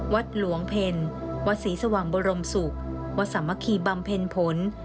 วัดหลวงเพลวัดศรีสว่างบรมศุกร์วัดสามัคคีบำเพ็ญผล